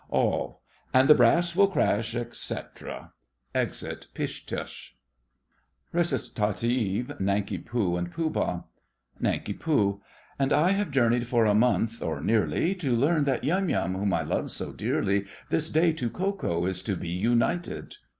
ALL. And the brass will crash, etc. [Exit Pish Tush. RECIT.—NANKI POO and POOH BAH. NANK. And I have journeyed for a month, or nearly, To learn that Yum Yum, whom I love so dearly, This day to Ko Ko is to be united!